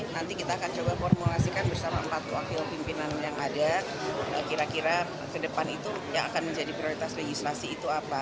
nanti kita akan coba formulasikan bersama empat wakil pimpinan yang ada kira kira ke depan itu yang akan menjadi prioritas legislasi itu apa